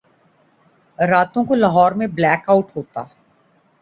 راتوں کو لاہور میں بلیک آؤٹ ہوتا۔